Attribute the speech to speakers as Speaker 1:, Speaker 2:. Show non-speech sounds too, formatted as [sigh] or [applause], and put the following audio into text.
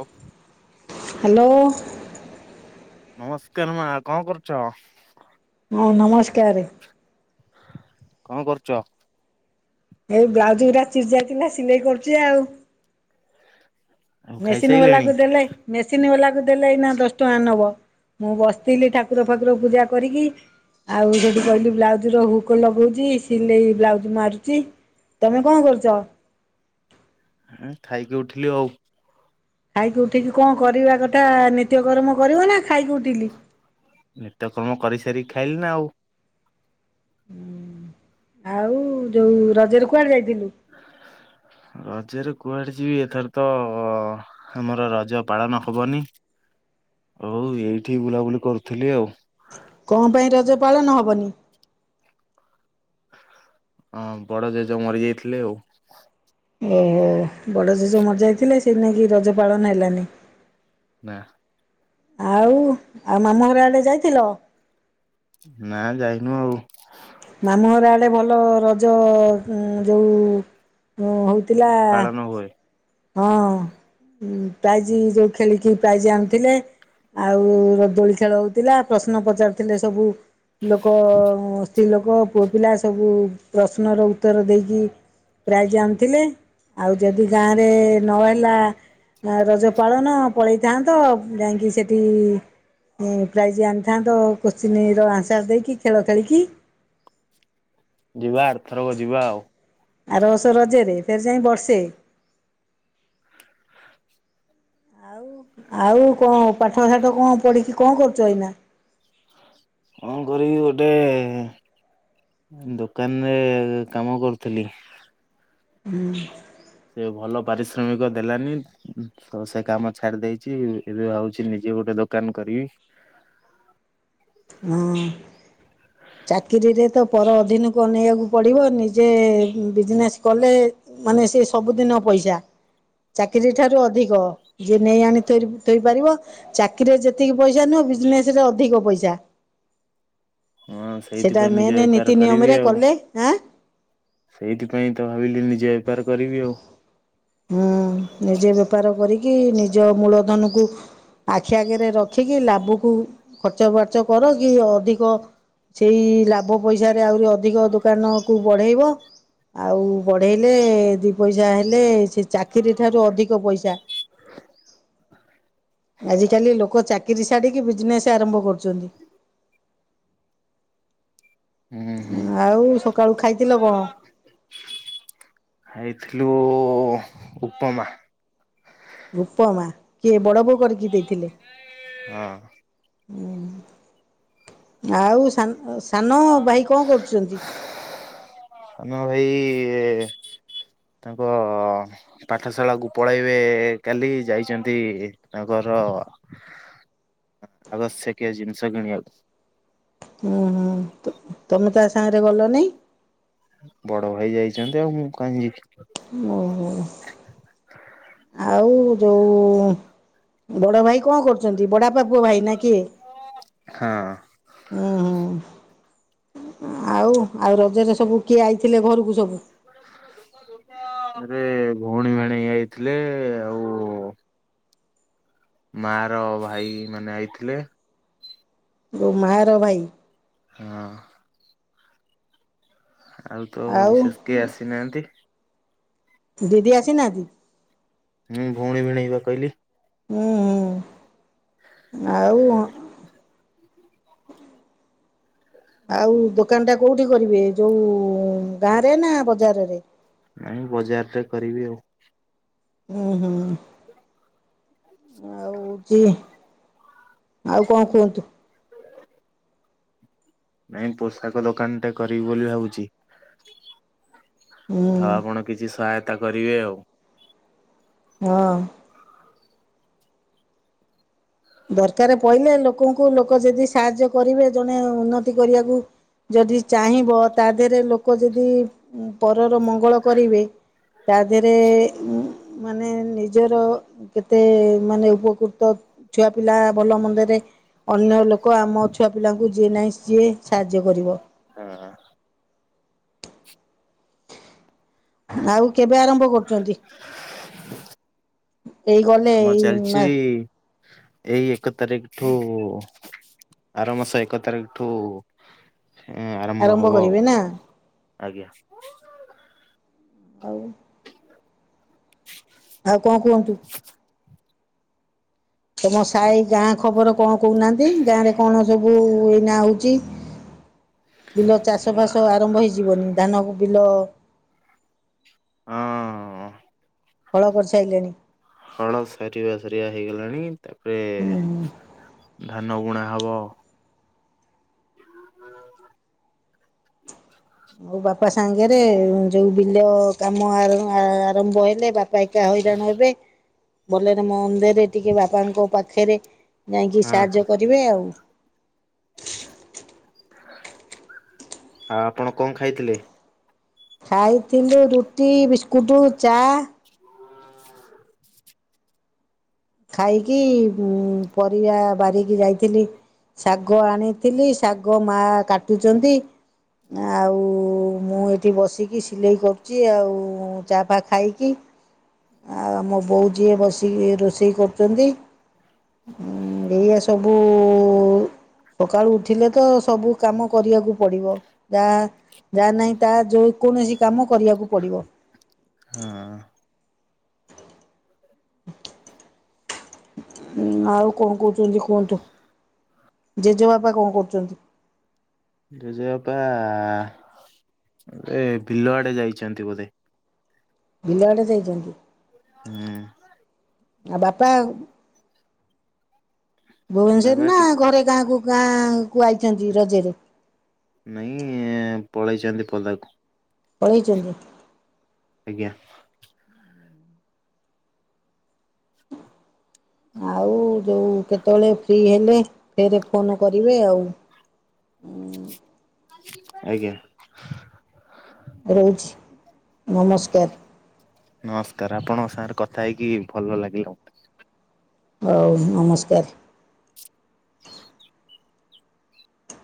Speaker 1: ଓ
Speaker 2: hello
Speaker 1: ନମସ୍କାର ମା କଣ କରୁଚ?
Speaker 2: ହଁ ନମସ୍କାରେ
Speaker 1: କଣ କରୁଚ?
Speaker 2: ଏଇ ବ୍ଲାଉଜୁ ଗୁରା ଚିରି ଯାଇଥିଲା ସିଲେଇ କରୁଚି ଆଉ
Speaker 1: ଆଉ
Speaker 2: ମେସିନ୍
Speaker 1: ଖାଇସାଇଲେଣି?
Speaker 2: ବାଲାକୁ ଦେଲେ ମେସିନ୍ ବାଲା ଦେଲେ ଏଇନା ଦଶ ଟଙ୍କା ନବ ମୁଁ ବସିଥିଲି ଠାକୁର ଫାକୁର ପୂଜା କରିକି ଆଉ ସେଠି କହିଲି ବ୍ଲାଉଜ ର ହୁକ ଲଗଉଛି ସିଲେଇ ବ୍ଲାଉଜ ମାରୁଛ। ତମେ କଣ କରୁଚ?
Speaker 1: ଉଁ ଖାଇକି ଉଠିଲି ଆଉ
Speaker 2: ଖାଇକି ଉଠିକି କଣ କରିବା କଥା ନିତ୍ୟକର୍ମ କରିବ ନା ଖାଇକି ଉଠିଲି।
Speaker 1: ନିତ୍ୟକର୍ମ କରିସାରି ଖାଇଲି ନା ଆଉ।
Speaker 2: ହୁଁ ଆଉ ଯୋଉ ରଜରେ କୁଆଡେ ଯାଇ
Speaker 1: ରାଜରେ କୁଆଡ଼େ ଯିବି ଏଥର ତ ଆମର ରଜ ପାଳନ ହବନି। ହଉ ଏଇଠି ବୁଲାବୁଲି କରୁଥିଲି ଆଉ।
Speaker 2: କଣ ପାଇଁ ରଜ ପାଳନ ହବନି?
Speaker 1: ହଁ ବଡ ଜେଜ ମରି ଯାଇଥିଲେ ଆଉ।
Speaker 2: ଓହୋ ବଡ ଜେଜ ମଜାଇଥିଲେ ସେ ନେଇକି ରଜ ପାଳନ ହେଲାନି?
Speaker 1: ନା
Speaker 2: ଆଉ ଆଉ ମାମୁଁ ଘର ଆଡେ ଯାଇଥିଲ?
Speaker 1: ନା ଯାଇନୁ ଆଉ
Speaker 2: ମାମୁଁଘର ଆଡେ ଭଲ ରଜ ଯୋଉ ହଉ
Speaker 1: ପାଳନ ହୁଏ।
Speaker 2: ହଁ ହଁ ପ୍ରାଇଜି ଯୋଉ ଖେଳିକି ପ୍ରାଇଜି ଆଣୁଥିଲେ ଆଉ ରଦୋଳି ଖେଳ ହଉଥିଲା ପ ନ୍ନ ପଚାରୁଥିଲେ? ସବୁ ଲୋକ-ଅ-ଉମ ସ୍ତ୍ରୀ ଲୋକ। ତାଙ୍କ ପୁଅ ପିଲା ସବୁ। ପ୍ରଶ୍ନର ଉତ୍ତର ଦେଇକି ପ୍ରାୟ ଜାଣିଥିଲେ। ଆଉ ଯଦି ଗାଁରେ ନହେଲା ରଜ ପାଳନ, ପଳେଇଥାନ୍ତ। ଯାଇଁକି ସେଠି-ଇ ପ୍ରାଇଜ ଆଣିଥାନ୍ତ। କୋଶ୍ଚିିନ ର ଆନ୍ସର ଦେଇକି, ଖେଳ ଖେଳିକି।
Speaker 1: ଯିବା ଆରଥରକ ଯିବା ଆଉ।
Speaker 2: ଆରବଷ ରଜରେ, ଫେର୍ ଯାଇ ବର୍ଷେ। ଆଉ, ଆଉ କଣ! ପାଠଷାଠ କଁ ପଢିକି କଁ କରୁଛ ଏଇନା?
Speaker 1: କଁ କରିବି ଗୋଟେ-ଏ ଦୋକାନରେ କାମ କରୁଥିଲି।
Speaker 2: ହୁଁ।
Speaker 1: ସେ ଭଲ ପାରିଶ୍ରମିକ ଦେଲାନି ତ, ସେ କାମ ଛାଡି ଦେଇଛି। ଏବେ ଭାଉଛି ନିଜେ ଏ ଗୋଟେ ଦୋକାନ କରିବି।
Speaker 2: ହଁ, ଚାକିରିରେ ତ ପର ଅଧୀିନକୁନେଇବାକୁ ପଡିବ। ନିଜେ-ଏ ବିଜନେସ୍ କଲେ, ମାନେ ସେ ସବୁଦିନ ପ ପଇସା। ଚାକିରୀ ଠାରୁ ଅଧିକ! ଯିଏ ନେଇ ଆଣି ଥୋଇ ଥୋଇପାରିବ, ଚାକିରିରେ ଯେତିକି ପଇସା ନୁହଁ ବିଜନେସ୍ ରେ ଅଧିକ ପଇସା।
Speaker 1: ହଁ,
Speaker 2: ସେଇଟା
Speaker 1: ସେଇଥିପାଇଁ ନିଜେ
Speaker 2: ମେନ୍ ନୀତି
Speaker 1: ବେପାର କରିବି
Speaker 2: ନିୟମରେ
Speaker 1: ଆଉ।
Speaker 2: କଲେ ଆଁ
Speaker 1: ସେଇଥିପାଇଁ ତ ଭାବିଲି, ନିଜେ ବେପାର କରିବି ଆଉ।
Speaker 2: ହୁଁ, ନିଜେ ବେପାର କରିକି, ନିଜ ମୂଳ ଧନ କୁ ଆଖି ଆଗରେ ରଖିକି, ଲାଭକୁ ଖର୍ଚ୍ଚ ବାର୍ଚ୍ଚ କର। କି ଅଧିକ ସେଇ ଲାଭ ପଇସାରେ, ଆହୁରି ଅଧିକ ଦୋକାନ କୁ ବଢେଇବ। ଆଉ ବଢେଇଲେ, ଦି ପଇସା ହେଲେ ସେ ଚାକିରି ଠାରୁ ଅଧିକ ପଇସା। ଆଜିକାଲି ଲୋକ ଚାକିରୀ ଛାଡିକି ବିଜନେସ୍ ଆରମ୍ଭ କରୁଚନ୍ତି।
Speaker 1: ହୁଁ ହୁଁ
Speaker 2: ଆଉ ସକାଳୁ ଖାଇଥିଲ କଣ?
Speaker 1: ଖାଇଥିଲୁ ଉପମା।
Speaker 2: ଉପମା! କିଏ ବଡ ବୋଉ କରିକି ଦେଇଥିଲେ?
Speaker 1: ହଁ।
Speaker 2: ଆଉ ସାନ ସାନ ଭାଇ କଣ କରୁଚନ୍ତି?
Speaker 1: ସାନଭାଇ-ଇ ତାଙ୍କ ପାଠଶାଳା କୁ ପଳେଇବେ କାଲି। ଯାଇଛନ୍ତି ତାଙ୍କ ର ଆବଶ୍ୟକୀୟ ଜିନିଷ କିଣିଆକୁ।
Speaker 2: ଉୁଁ, ହୁଁ, ତମେ ତା ସାଙ୍ଗରେ ଗଲନେଇ।
Speaker 1: ବଡ ଭାଇ ଯାଇଚନ୍ତି। ଆଉ ମୁଁ କାଇଁ ଯିବି?
Speaker 2: ଓହୋ ଯୋଉ-ଉ ବଡ ଭାଇ କଣ କରୁଛନ୍ତି? ବଡ ଆ ପା ପୁଅ ଭାଇ ନ କିିଏ?
Speaker 1: ହଁ।
Speaker 2: ଉଁ ହୁଁ, ଆଉ ଆଉ ରଜରେ ସବୁ କିଏ ଆଇଥିଲେ ଘରକୁ ସବୁ?
Speaker 1: [inaudible] ରେ ଭଉଣୀ ଭେଣେଇ ଆଇଥିଲେ। ଆଉ-ଉ ମା ର ଭାଇ ମାନେ ଆଇଥିଲେ।
Speaker 2: ଓ ମାଁ ର ଭାଇ।
Speaker 1: ହଁ। ଆଉ ତ ବିଶେଷ କେଇ ଆସିନାହାଁନ୍ତି।
Speaker 2: ଦିଦି ଆସି ନାଁ ତି?
Speaker 1: ହୁଁ, ଭଉଣୀ ଭିଣେଇ ବା କହିଲି।
Speaker 2: ହୁଁ, ହୁଁ, ଆଉ ଆଉ ଦୋକାନ ଟା କୋଉଠି କରିବେ? ଯୋଉ ଗାଁରେ ନା ବଜାର ରେ?
Speaker 1: ମୁଇଁ ବଜାରରେ କରିବି ଆଉ।
Speaker 2: ଓ ହୋ। ଆଉଛି ଆଉ କଣ କୁହନ୍ତୁ?
Speaker 1: ନାଇଁ ପୋଷାକ ଦୋକାନଟେ କରିବି ବୋଲି ଭାବୁଛି?
Speaker 2: ହୁଁ
Speaker 1: ଆଉ ଆପଣ କିଛି ସହାୟତା କରିବେ ଆଉ।
Speaker 2: ହଁ। ଦରକାର ପହିଲେ ଲୋକଙ୍କୁ ଲୋକ ଯଦି ସାହାଯ୍ୟ କରିବେ ଜଣେ ଉନ୍ନତି କରିବାକୁ ଯଦି ଚାହିଁବ ତା ଦେହରେ ଲୋକ ଯଦି ପରର ମଙ୍ଗଳ କରିବେ ତା ଦେହରେ ମାନେ ନିଜର କେତେ ମାନେ ଉପକୃତ ଛୁଆ ପିଲା ଭଲ ମନ୍ଦରେ ଅନ୍ୟ ଲୋକ ଆମ ଛୁଆ ପିଲାଙ୍କୁ ଯିଏ ନାହିଁ ସିଏ ସାହାଯ୍ୟ କରିବ।
Speaker 1: ହଁ।
Speaker 2: ଆଉ କେବେ ଆରମ୍ଭ କରୁଛନ୍ତି? ଏଇ ଗଲେ
Speaker 1: କାମ
Speaker 2: ଏଇ
Speaker 1: ଚାଲିଛି ଏଇ ଏକ ତାରିଖ ଠୁ ଆର ମାସ ଏକ ତାରିଖ ଠୁ ଆରମ୍ଭ ହବ ଆଉ
Speaker 2: କରିବେ ନା
Speaker 1: ଆଜ୍ଞା।
Speaker 2: ଆଉ ଆଉ କଣ କୁହନ୍ତୁ? ତମ
Speaker 1: ହଉ।
Speaker 2: ସାଇ ଗାଁ ଖବର କଣ କହୁନାହାନ୍ତି ଗାଁ ରେ କଣ ସବୁ ଏଇ ନା ହଉଛି? ବିଲ ଚାଷ ଫସ ଆରମ୍ଭ ହେଇଯିବନି ଧାନ ବିଲ
Speaker 1: ହଁ।
Speaker 2: ଫଳ କରିସାରିଲେଣି?
Speaker 1: ହଁ ସାରିବା ସାରିବା ହେଇଗଲାଣି ତାପରେ ଧାନ ଗୁଣା ହବ।
Speaker 2: କପା ସାଙ୍ଗରେ ଯଉ ବିଲ କାମ ଆରମ୍ଭ ହେଲେ ବାପ ପାଇକା ହଇରାଣ ହେବେ ବରେ ମୋ ମନ୍ଦିରରେ ଟିକେ ବାପାଙ୍କ ପାଖରେ ଯାଇକି
Speaker 1: ହଁ ହଁ
Speaker 2: ସାହାଯ୍ୟ କରିବେ ଆଉ।
Speaker 1: ଆଉ ଆପଣ କଣ ଖାଇଥିଲେ?
Speaker 2: ଖାଇଥିଲୁ ରୁଟି ବିସ୍କୁଟ ଚା
Speaker 1: [inaudible]
Speaker 2: ଖାଇକି ପରିବା ବାରିକି ଯାଇଥିଲି ଶାଗ ଆଣିଥିଲି ଶାଗ ମା କାଟୁଛନ୍ତି ଆଉ ମୁଁ ଏଠି ବସିକି ସିଲେଇ କରୁଛି ଆଉ ଚାଫା ଖାଇକି ଆଉ ମୋ ବୋଉ ଯିଏ ବସିକି ରୋଷେଇ କରୁଛନ୍ତି ଏଇଆ ସବୁ ସକାଳୁ ଉଠିଲେ ତ ସବୁ କାମ କରିବାକୁ ପିବ ଯାହା ଯା ନାହିଁ ତା କୌଣସି କାମ କରିବାକୁ ପଡିବ।
Speaker 1: ହଁ
Speaker 2: [inaudible] ହୁଁ ଆଉ କଣ କହୁଛନ୍ତି କୁହନ୍ତୁ? ଜେଜେବାପା କଣ କରୁଛନ୍ତି?
Speaker 1: ଜେଜେ ବାପା ଏ ବିଲଆଡେ ଯାଇଛନ୍ତି ବୋଧେ!
Speaker 2: ବିଲାଆଡେ ଯାଇଛନ୍ତି?
Speaker 1: ହୁଁ।
Speaker 2: ଆଉ ବାପା ଭୁବନେଶ୍ଵର
Speaker 1: ବାବା
Speaker 2: ନା
Speaker 1: ଟିକେ
Speaker 2: ଘରେ ଗାଁକୁ ଗାଁ କୁ ଆଇଛନ୍ତି ରଜରେ!
Speaker 1: ନାଇଁ ପଳେଇଛନ୍ତି ପଦାକୁ।
Speaker 2: ପଳେଇଛନ୍ତି।
Speaker 1: ଆଜ୍ଞା।
Speaker 2: ଆଉ ଯୋଉ କେତେବେଳେ ଫ୍ରି ହେଲେ ଫରେ ଫୋନ୍ କରିବେ ଆଉ।
Speaker 1: ଆଜ୍ଞା,
Speaker 2: ରଉଛି ନମସ୍କାର!
Speaker 1: ନମସ୍କାର! ଆପଣ ସାଙ୍ଗରେ କଥା ହେଇକି ଭଲ ଲାଗିଲା ମତେ।
Speaker 2: ହଉ, ନମସ୍କାର।